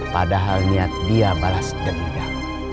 padahal niat dia balas dendam